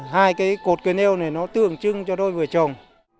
hai cái cột cây nêu này nó tượng trưng cho đôi vợ chồng